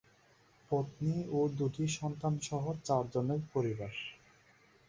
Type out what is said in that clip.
পত্নী এবং দুটি সন্তান সহ চারজনের পরিবার।